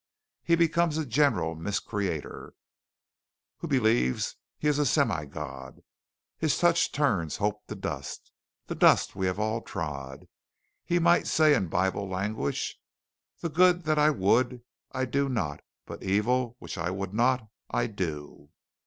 He becomes a general mis creator, who believes he is a semi God. His touch turns hope to dust, the dust we all have trod. He might say in Bible language, 'The good that I would, I do not, but evil, which I would not, I do.'"